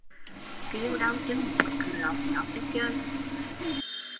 Kêu đau chưn mà cứ lót nhót đi chơi